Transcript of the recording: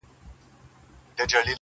د مرګي لښکري بند پر بند ماتیږي.!